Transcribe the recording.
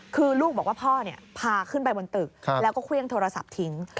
คือลูกบอกว่าพ่อพาขึ้นไปบนตึกแล้วก็เครื่องโทรศัพท์ทิ้ง